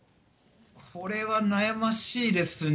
これは悩ましいですね。